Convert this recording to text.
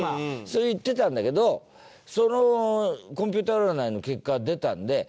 そう言ってたんだけどそのコンピューター占いの結果が出たんで。